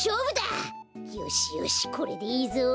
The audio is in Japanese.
よしよしこれでいいぞ。